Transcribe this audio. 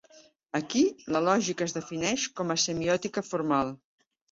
Aquí, la lògica es defineix com a "semiòtica formal".